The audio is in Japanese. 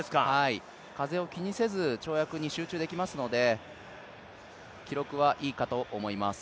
風を気にせず跳躍に集中できますので記録はいいかと思います。